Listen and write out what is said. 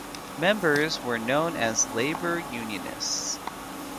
Members were known as Labour Unionists.